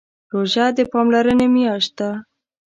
روژه د پاملرنې میاشت ده.